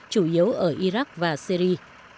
chủ yếu ở iraq và syri